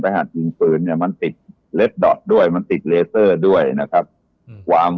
ประหารยุงปืนเนี่ยมันติดดดด้วยมันติดด้วยนะครับความ